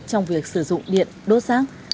trong việc sử dụng điện đốt xác